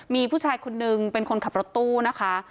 มีผู้ชายคนนึงเป็นคนขับรถตู้นะคะ